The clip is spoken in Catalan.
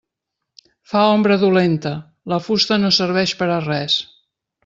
Fa ombra dolenta, la fusta no serveix per a res.